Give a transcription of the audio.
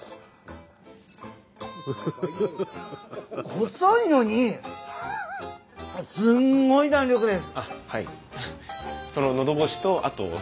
細いのにすんごい弾力です。